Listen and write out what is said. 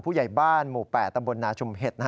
ผู้ใหญ่บ้านหมู่๘ตำบลนาชุมเห็ด